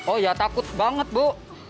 oh ya takut banget bu